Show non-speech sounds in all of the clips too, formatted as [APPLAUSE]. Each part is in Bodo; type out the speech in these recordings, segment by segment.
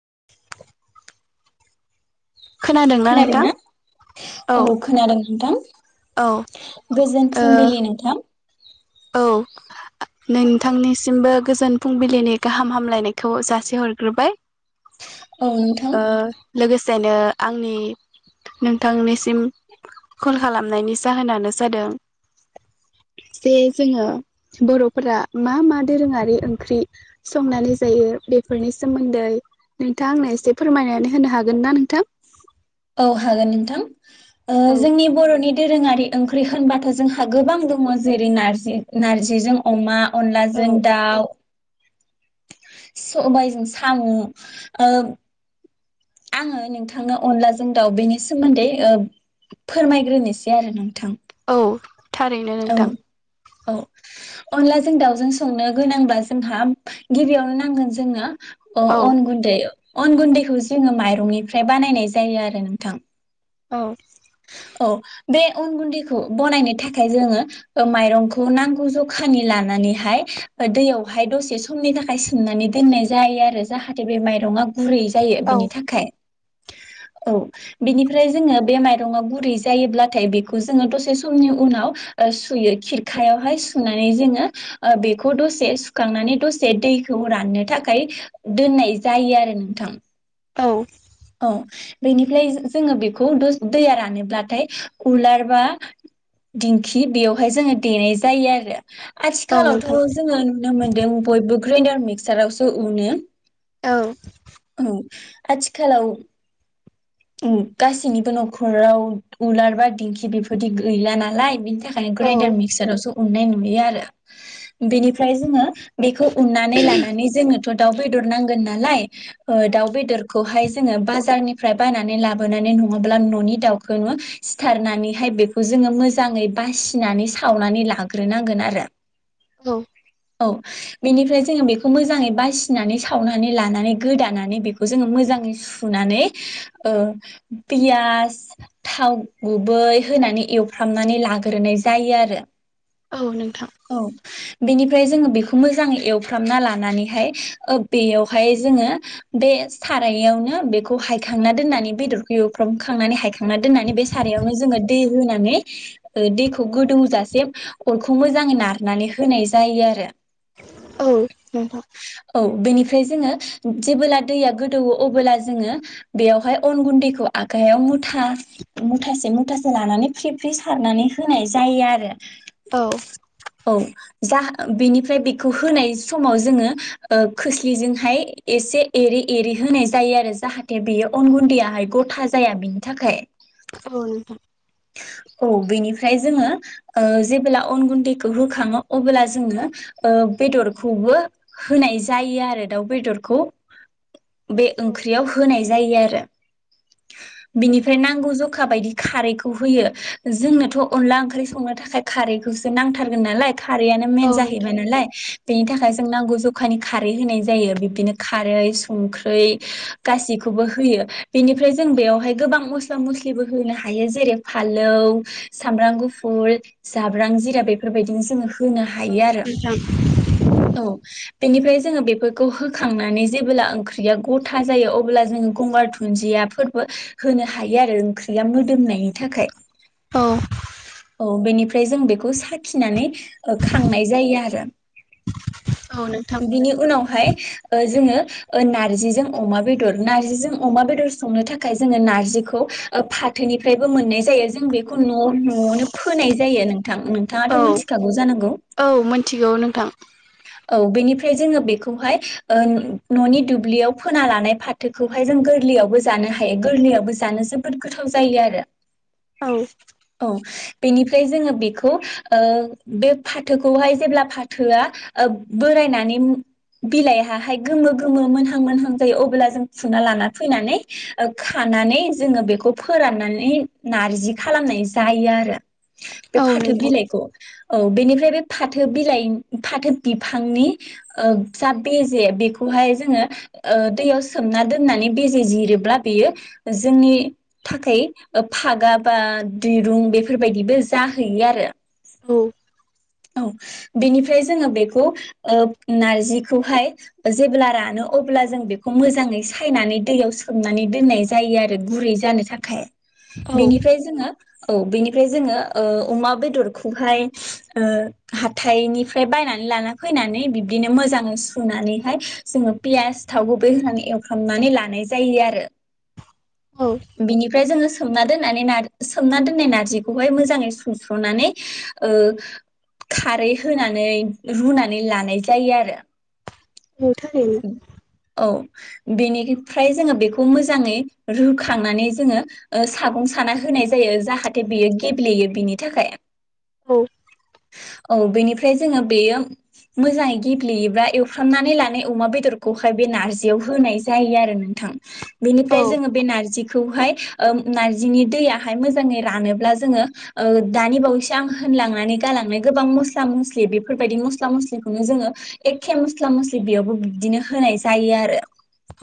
[INAUDIBLE] खोनादोंना खोनादों नोंथां ना? औ खोनादों नोंथां। औ गोजोन ओ फुंबिलि नोंथां। औ नोंथांनिसिमबो गोजोन फुंबिलिनि गाहाम हामलायनायखौ जासि हरग्रोबाय। औ नोंथां ओ लोगो सेनो आंनि नोंथांनिसिम कल खालामनायनि जाहोनानो जादों जे जोङो बर'फोरा मा मा दोरोङारि ओंख्रि संनानै जायो बेफोरनि सोमोन्दै नोंथांआ आंनो एसे फोरमायनानै होनो हागोन ना नोंथां? औ हागोन नोंथां। ओ औ जोंनि बर'नि दोरोङारि ओं ख्रि होनबाथ' जोंहा गोबां दङ जेरै नारजि नारजिजों अमा औ अनलाजों दाउ सबायजों सामु ओ आङो नोंथांनो अनलाजों दाउ बेनि सोमोन्दै ओ फोरमायग्रोनोसै आरोना औ थारैनो नोंथां। औ अनलाजों दाउजों संनो गोनांब्ला जोंहा गिबियावनो नांगोन जोंनो अ औ अन गुन्दै अन गुन्दैखौस जोङो माइरंनिफ्राय बानायनाय जायो आरो नोंथां। औ [INAUDIBLE] औ बे अन गुन्दैखौ बनायनो थाखाय जोङो ओ माइरंखौ नांगौ जखानि लानानैहाय ओ दैयावहाय दसे समनि थाखाय सोमनानै दोननाय जायो आरो जाहाथे बे माइरङा गुरै जायो औ बेनि औ बिनिफ्राय जोङो बे माइरंआ गुरै जायोब्लाथाय बेखौ जोङो दसे समनि उनाव ओ सुयो खिरखायावहाय सुनानै जोङो ओ बेखौ दसे सुखांनानै दसे दैखौ राननो थाखाय दोननाय जायो आरो नोंथां। औ औ बेनिफ्लाय जो-जोङो बेखौ दो दैया रानोब्लाथाय उलार बा दिंखि बेयावहाय जोङो देनाय जायो आरो औ आथिखालावथ' नोंथां जोङो नुनो मोनदों बयबो ग्राइनडार मिक्सारावसो उनो। औ औ आथि खालाव उम गासैनिबो न'खराव उलार बा दिंखि बेफोरदि गैला नालाय बिनि था खायनो ग्रेन्डार औ मिक्सारावसो उननाय नुयो आरो बेनिफ्राय जोङो बेखौ उन्नानै लानानै जोङो थ' दाउ बेदर नांगोन नालाय ओ दाउ बेदरख जोङो बाजारनिफ्राय बायनानै लाबोनानै नङाब्ला न'नि दाउखौनो सिथारनानैहाय बेखौ जोङो मोजाङै बासिनानै सावनानै लाग्रोनांगोन आरो औ औ बेनिफ्राय जोङो बेखौ मोजाङै बासिनानै सावनानै लानानै गोदानानै बेखौ जोङो मो जाङै सुनानै पियास थाव गुबै होनानै एवफ्रामनानै लाग्रोनाय जायो आरो औ नोंथां औ बेनि फ्राय जोङो बेखौ मोजाङै एवफ्रामना लानानैहाय ओ बेयावहाय जोङो बे सारायावनो बेखौ हायखांना दोननानै बेदरखौ एवफ्रामखांनानै हायखांना दोननानै बे सारायावनो जोङो दै होनानै ओ दैखौ गोदौजासे अरखौ मोजाङै नारनानै होनाय जायो आरो औ नोंथां। जोंङो जेबोला दैया गो दौवो अबोब्ला जोङो बेयावहाय अन गुन्दैखौ आखाइायाव मुथा मुथासे मुथासे लानानै फ्रि फ्रि सारनानै होनाय जायो आरो औ [INAUDIBLE] औ जा बेनिफ्राय बेखौ होनाय समाव जोङो ओ खोस्लिजोंहाय एसे एरै एरै होनाय जायो आरो जाहाथे बेयो अन गुन्दैआहाय गथा जाया बेनि थाखाय। औ नोंथां। औ बेनिफ्राय जोङो ओ जेबोला अन गुन्दैखौ होखाङो अबोला जोङो ओ बेदरखौबो होनाय जायो आरो दाउ बेदरखौ। बे औ ओंख्रियाव होनाय जा जायो आरो बिनिफ्राय नांगौ जखा बायदि खारैखौ [UNINTELLIGIBLE] जोंनोथ' अनला ओंख्रि संनो थाखाय खारैखौसो नांथारगोन नालाय खारैआनो औ मेन नोंथां जाहैबाय नालाय बेनि थाखाय जों नांगौ ज अखानि खारै होनाय जायो बिब्दिनो खारै संख्रै गासैखौबो होयो बेनिफ्राय जों बेयावहाय गोबां मस्ला मस्लिबो होनो हायो जेरै फाल्लौ, सामब्रा गुफुर, जाब्रां, जिरा बेफोरबायदिनो जोङो हो होनो औ हायो आरो नोंथां औ बेनिफ्राय जोङो बेफोरखौ होखांनानै जेब्ला ओंख्रिया गथा जायो अब्ला जोङो गंगार दुुनदियाफोरबो होनो हायो आरो ओंख्रिया मोदोमनाय थाखाय औ औ बेनिफ्राय जों बेखौ साख खिनानै खांनाय जायो आरो औ नोंथां बिनि उनावहाय ओ जोङो ओ नारजिजों अमा बेदर नारजिजों अमा बेदर संनो थाखाय जोङो नारजिखौ फाथोनिफ्राय बो मोननाय जायो जों बेखौ न' न'आवनो फोनाय जायो नों औ औ मोनथिगौ नोंथां। औ बेनिफ्राय जोङो बेखौहाय ओ न'नि दुब्लियाव फोना लानाय फाथोखौहाय जों गोरलैयावबो जानो हायो गोरलैयावबो जानो जोबोद गोथाव जायो आरो औ औ बेनि ओमफ्राय जोङो बेखौ बे फाथोखौहाय जेब्ला फाथोआ ओ बोरायनानै बिलाइहाहाय गोमो गोमो मोनहां मोनहां जायो अब्ला जों फुना लाना फैनानै खानानै जोङो बेखौ फोरान्नानै नारजि खालामनाय जायो आरो। बे औ फाथो नोंथां बिलाइखौ औ बेनिफ्राय बे फाथो बिलाइ फाथो बिफांनि ओ जा बेजे बेखौहाय जोङो दैयाव सोमना दोननानै बेेजे जिरोब्ला बेयो जोंनि थाखाय फागा बा दिरुं बेफोरबायदिबो जाहैयो आरो औ औ बेनिफ्राय जोङो बेखौ ओ नारजिखौहाय जेब्ला रानो अब्ला जों बेखौ मोजाङै सायनानै दैयाव सोमनानै दोननाय जायो आरो गुरै जानो थाखाय। औ बेनिफ्राय जोङो औ बेनिफ्राय जोङो ओ अमा बेदरखौहाय ओ हाथाइनिफ्राय बायनानै लाना फैनानै बिब्दिनो मोजाङै सुनानैहाय जोङो पियास थाव गुबै होनानै एवफ्रामनानै लानाय जायो आरो। औ बिनिफ्राय जोङो सोमना दोननानै सोमना दोननाय नार्जिखौहाय मोजाङै सुस्र'नानै खारै होनानै रुनानै लानाय जायो आरो नं थारैनो औ बेनिफ्राय जोङो बेखौ मोजाङै रुखांनानै जोङो ओ सागं साना होनाय जायो जाहाथे बेयो गेब्लेयो बिनि थाखाय। औ औ बेनिफ्राय जोङो बेयो मोजाङै गेब्लेयोब्ला एवफ्रामनानै लानाय अमा बेदरखौहाय बे नारजियाव होनाय जायो आरो नोंथां औ बेनिफ्राय जोङो बे नारजि खौहाय ओ नारजिनि दैयहाय मोजाङै रानोब्ला जोङो दानि बावैसो आं होनलांनानै गालांनाय गोबां मसला मस्लि बेफोरबायदि मस्ला मस्लिखौनो जो एखे मसला मसलि बिदिनो होनाय जायो आरो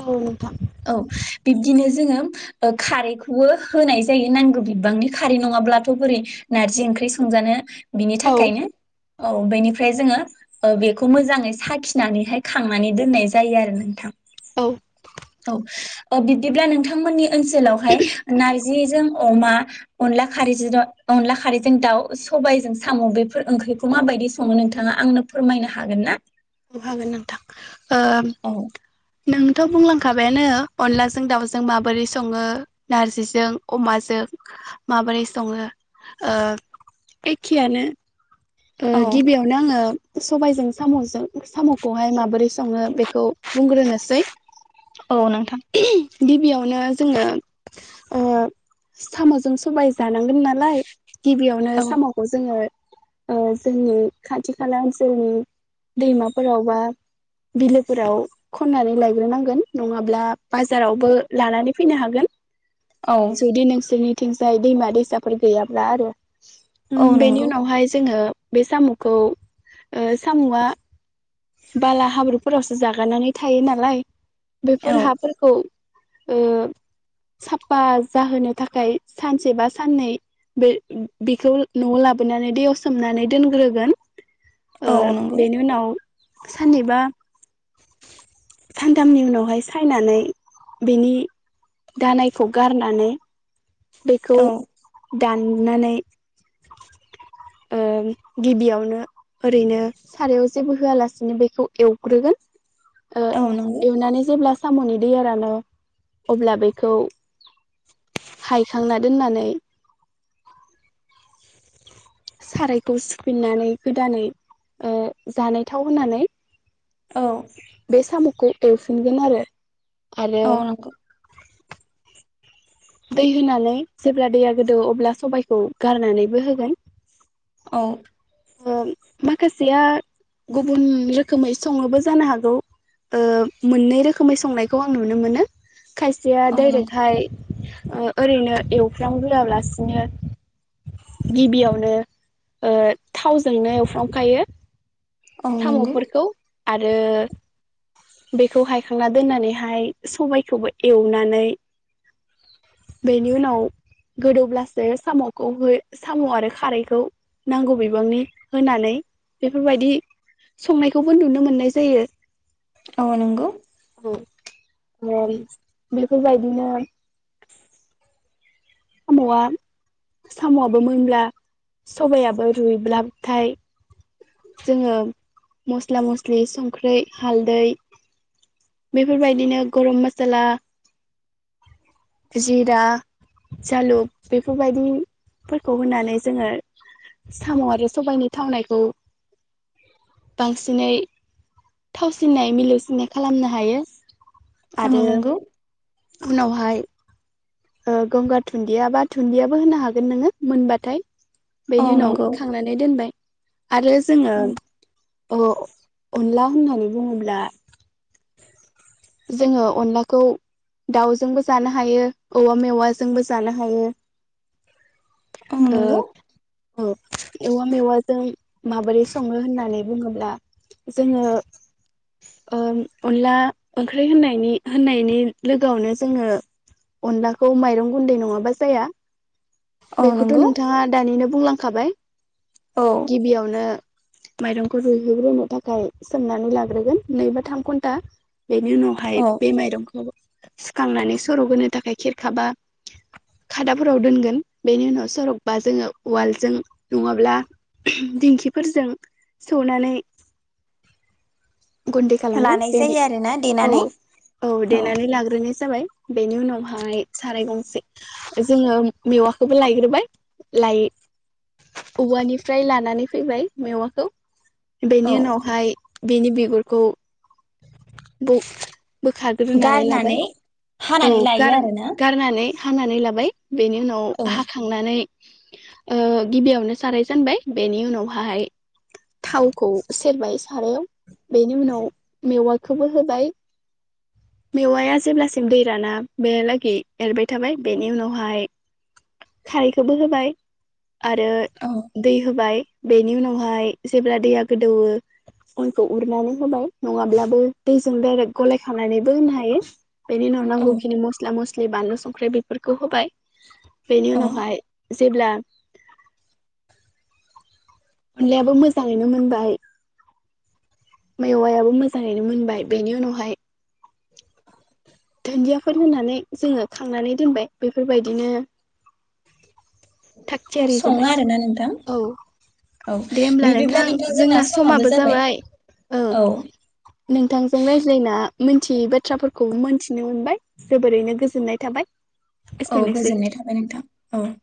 औ नोंथां औ बिबदिनो जोङो ओ खारैखौबो होनाय जायो नांगौ बिबांनि खारै नङाब्लाथ' बोरै नारजि ओंख्रि संजानो बिनि औ थाखायनो औ बेनिफ्राय जोङो बेखौ मोजाङै साखिनानैहाय थांनानै दोननाय जायो आरो नोंथां औ औ बिदिब्ला नोंथांमोननि ओनसोलावहाय नारज जिजों अमा अनला खारैजो अनला खारैजों दाउ सबायजों साम' बेफोर ओंख्रिखौ माबायदि सङो नोंथाङा आंनो फोरमायनो हागोन ना? हाागोन नोंथां ओ औ नोंथ' बुंलां खाबायानो अनलाजों दाउजों माबोरै सङो नारजिजों अमाजों माबोरै सङो एखेयानो ओ औ गिबियावनो आङो सबायजों साम'जों साम'खौहाय माबोरै सङो बेखौ बुंग्रोनोसै औ गिबियावनो जोङो साम'जों सबाय जानाय थानांगोन नालाय गिबियावनो साम'खौ जोङो जोंनि खाथि खाला ओनसोलनि दैमाफोराव बा बिलोफोराव खन्नानै लायग्रोनांगोन नङाब्ला बाजारावबो लानानै फैनो हागोन जुदि नोंसारनि थिंजाय दैमा दैसाफोर गैयाब्ला आरो उम बेनियाव नहाय जोो बे साम'खौ साम'आ बाला हाब्रुफोरावसो जागानानै थायो नालाय बेफोर हाफोरखौ ओ साफा जाहोनो थाखाय सानसे बा साननै बे बेखौ न'आव लाबोनानै दैयाव सोमनानै दोनग्रोगोन । ओ औ नंगौ बेनि उनाव साननैबा सानथामनि उनावहाय सायनानै बेनि दानायखौ गारनानै बेखौ औ दाननानै ओ गिबियावनो ओरैनो सारायाव जेबो होआलासिनो बेखौ एवग्रोगोन। औ नंगौ एवनानै जेब्ला साम'नि दैआनो अब्ला बेखौ हायखांना दोननानै । सारायखौ सुफिननानै गोदानै जानायथाव होनानै औ बे साम'खौ एवफिनगोन आरो । औ नखौ दै होनानै जेब्ला दैया गोदो अब्ला सबायखौ गारनानैबो होगोन औ माखासेया गुबुन रोखोमै सङोबो जानो हागौ मोननै रोखोमै संनायखौ आं नुनो मोनो खायसेया औ नंगौ डाइरेक्टहाय ओ ओरैनो एवफ्राम गोरालासिनो गिबियावनो ओ थावजोंनो एवफ्रामखायो । औ नंगौ साम'फोरखौ आरो बेखौ हायखांना दोननानैहाय सबायखौबो एवनानै बेनि उनाव गोदौब्लासो साम'खौ हो साम' आरो खारैखौ नांगौ बिबांनि होनानै बेफोरबायदि संनायखौबो नुनो मोननाय जायो । औ नोंगौ । [UNINTELLIGIBLE] बेफोरबायदिनो साम'आ साम'आआबो मोनब्ला सबायाइयाबो रुइब्लाबथाय जोङो मस्ला मस्लि संख्रि हालदै बेफोरबायदिनो गरम मसाला जिरा जालुक बेफोरबायदिफोरखौ होनानै जोङो साम' आरो सबायनि थावनायखौ बांसिनै थावसिननाय मिलौसिननाय खालामनो हायो । औ नोंगौ । उनावहाय ओ गंगार थुन्दिया बा दुनन्दियाबो होनो हागोन नोङो मोनबाथाय । औ बेनि उनाव नंगौ खांनानै दोनबाय । आरो जोङो औ अ-अनला होननानै बुङोब्ला जोङो अनलाखौ दाउजोंबो जानो हायो औवा मेवाजोंबो जानो हायो । ओं नोंगौ । औ एवा मेवाजों माबोरै सङो होननानै बुङोब्ला जोङो ओ अनला ओंख्रै होननायनि होननायनि लोगोआवनो जोङो अनलाखौ माइरं गुन्दै नङाबा जाया । औ बेखौथ' नंगौ नोंथाङा दानिनो बुंलांखाबाय औ । गिबियावनो माइरंखौ रुइहोग्रोनो थाखाय सोमनानै लाग्रोगोन नै बा थाम घन्टा बेनि उनावहाय औ बे माइरंखौ सुखांनानै सर'होनो थाखाय खिरखाबा खादाफोराव दोनगोन । बेनि उनाव सरकबा जोङो उवालजों नङाब्ला दिंखिफोरजों सौनानै गुन्दै खालामगोन लानाय बेनि जायो आरोना औ देनानै औ देनानै लाग्रोनो जाबाय बेनि उनावहाय साराय गंसे जोङो मेवाखौबो लायग्रोबाय, लाय औवानिफ्राय लानानै फैबाय मेवाखौ । औ बेनि उनावहाय बेनि बे फोरखौ बु बोखारग्रोनानै लाबाय गारनानै औ हानानै लायो गार आरोना गारनानै हानानै लाबाय । बेनि उनाव औ हाखांनानै ओ गिबियावनो साराय जानबाय, बेनि उनावहाय थावखौ सेरबाय सारायाव, बेनि उनाव मेवा खौबो होबाय, मेवाया जेब्लासिम दै राना बेहालागै एरबाय थाबाय बेनि उनावहाय खारैखौबो होबाय आरो औ दै होबाय बेनि उनावहाय जेब्ला दैया गोदौवो अनखौ उरनानै होबाय, नङाब्लाबो दैजों डाइरेक गलाय खानानैबो होनो हायो। बेनिनाव औ नांगौ खिनि मस्ला मस लि बानलु संख्रै बेफोरखौ होबाय बेनि औ उनावहाय जेब्ला अनलायाबो मोजाङैनो मोनबाय मेवायाबो मोजाङैनो मोनबाय बेनि उनावहाय [INAUDIBLE] दुन्दियाफोर होनानै जोङो खांनानै दोनबाय बेफोरबायदिनो थाग थियारि सङो जाबाय आरोना नोंथां औ दे होमब्ला नोंथां जोंना समाबो जाबाय औ नोंथांजों रायज्लायना मिन्थियै बाथ्राफोरखौबो मोन्थि नो मोनबाय, जोबोरैनो गोजोननाय थाबाय औ एसेनोसै गोजोननाय थाबाय नोंथां औ‌।